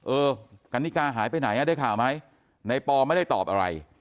เออกันนิกาหายไปไหนได้ข่าวไหมในปอไม่ได้ตอบอะไร